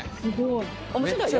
面白いよ